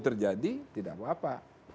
terjadi tidak apa apa